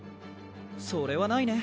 それはないね